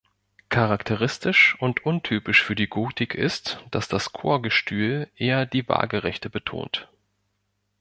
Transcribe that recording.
Charakteristisch und untypisch für die Gotik ist, dass das Chorgestühl eher die Waagerechte betont.